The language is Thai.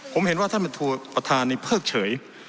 ผมเห็นว่าท่านประธานนี้เพิกเฉย